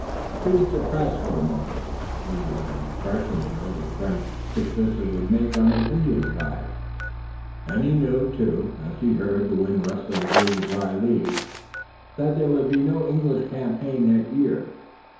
He was depressed for the moment. He knew what an impression the early French successes would make on the Indian tribes, and he knew, too, as he heard the wind rustling through the dry leaves, that there would be no English campaign that year.